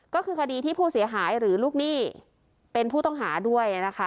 ก็คือคดีที่ผู้เสียหายหรือลูกหนี้เป็นผู้ต้องหาด้วยนะคะ